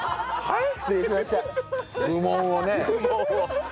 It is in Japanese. はい。